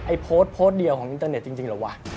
โพสต์โพสต์เดียวของอินเตอร์เน็ตจริงเหรอวะ